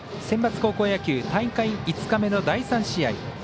センバツ高校野球大会５日目の第３試合。